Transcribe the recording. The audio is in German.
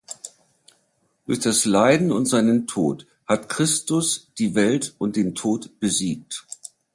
Durch das Leiden und seinen Tod hat Christus die Welt und den Tod besiegt.